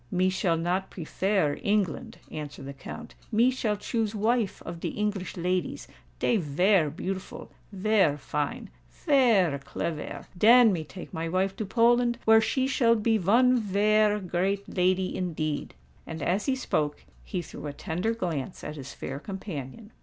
"Me shall not prefare England," answered the Count: "me shall choose wife of de English ladies—dey vare beautiful—vare fine—vare clevare. Den me take my wife to Poland, where she shall be von vare great lady indeed." And, as he spoke, he threw a tender glance at his fair companion.